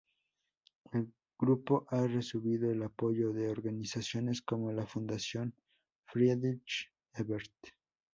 El grupo ha recibido el apoyo de organizaciones como la Fundación Friedrich Ebert.